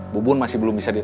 bubun masih belum bisa di